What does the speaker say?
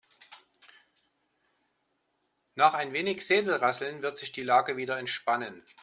Nach ein wenig Säbelrasseln wird sich die Lage wieder entspannen.